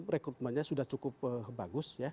rekrutmennya sudah cukup bagus